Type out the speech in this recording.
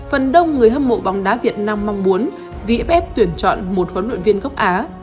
phần đông người hâm mộ bóng đá việt nam mong muốn vff tuyển chọn một huấn luyện viên gốc á